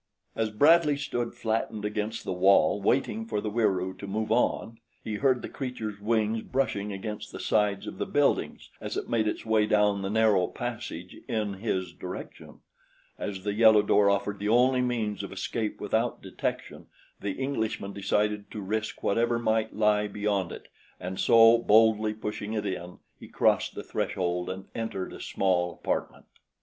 As Bradley stood flattened against the wall waiting for the Wieroo to move on, he heard the creature's wings brushing against the sides of the buildings as it made its way down the narrow passage in his direction. As the yellow door offered the only means of escape without detection, the Englishman decided to risk whatever might lie beyond it, and so, boldly pushing it in, he crossed the threshold and entered a small apartment.